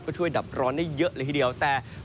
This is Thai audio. ก็ช่วยดับร้อนได้เยอะเลยทีเดียวแต่